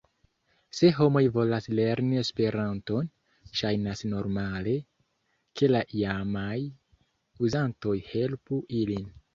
Se homoj volas lerni Esperanton, ŝajnas normale, ke la jamaj uzantoj helpu ilin.